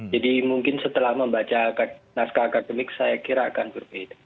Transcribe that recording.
jadi mungkin setelah membaca naskah akademik saya kira akan berbeda